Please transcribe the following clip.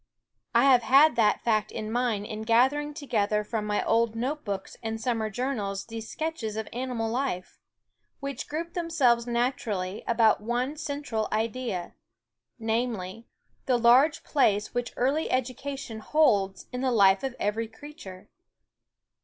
I have had that fact in mind in gathering together from my old notebooks and summer journals these sketches of animal life, which group themselves naturally about one central idea, namely, the large place which early education holds in the life of every creature.